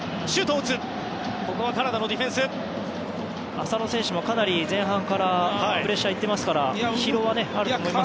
浅野選手もかなり前半からプレッシャーに行ってますから疲労はあると思います。